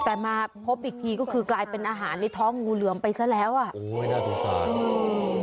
แต่มาพบอีกทีก็คือกลายเป็นอาหารในท้องงูเหลือมไปซะแล้วอ่ะโอ้ยน่าสงสารอืม